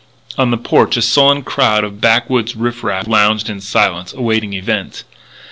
On the porch a sullen crowd of backwoods riff raff lounged in silence, awaiting events.